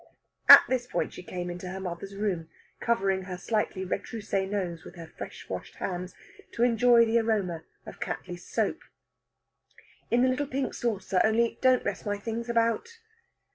At this point she came into her mother's room, covering her slightly retroussé nose with her fresh washed hands, to enjoy the aroma of Cattley's soap. "In the little pink saucer. Only don't mess my things about."